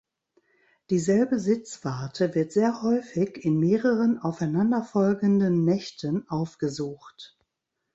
Dieselbe Sitzwarte wird sehr häufig in mehreren aufeinanderfolgenden Nächten aufgesucht.